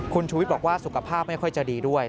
คุณชูวิทย์บอกว่าสุขภาพไม่ค่อยจะดีด้วย